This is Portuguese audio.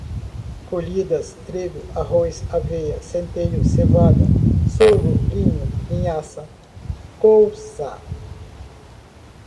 colhidas, trigo, arroz, aveia, centeio, cevada, sorgo, linho, linhaça, colza